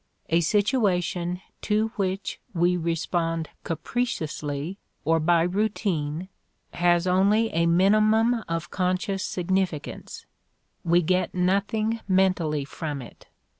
A situation to which we respond capriciously or by routine has only a minimum of conscious significance; we get nothing mentally from it.